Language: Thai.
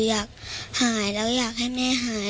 อยากหายแล้วอยากให้แม่หาย